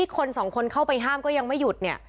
คนสองคนเข้าไปห้ามก็ยังไม่หยุดเนี่ย